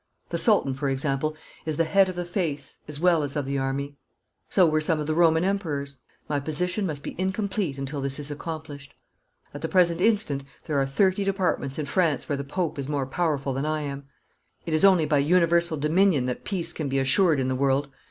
The Sultan, for example, is the head of the faith as well as of the army. So were some of the Roman Emperors. My position must be incomplete until this is accomplished. At the present instant there are thirty departments in France where the Pope is more powerful than I am. It is only by universal dominion that peace can be assured in the world.